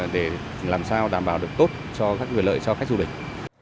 để làm sao đảm bảo được tốt cho các quyền lợi cho khách du lịch